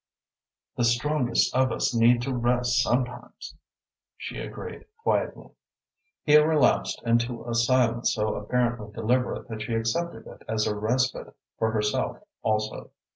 "The strongest of us need to rest sometimes," she agreed quietly. He relapsed into a silence so apparently deliberate that she accepted it as a respite for herself also.